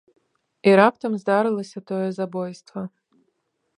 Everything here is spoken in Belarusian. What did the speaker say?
І раптам здарылася тое забойства.